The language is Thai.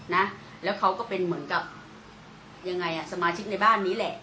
นะแล้วเขาก็เป็นเหมือนกับยังไงอ่ะสมาชิกในบ้านนี้แหละ